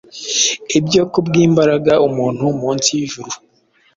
Ibyo kubwimbaraga umuntu munsi yijuru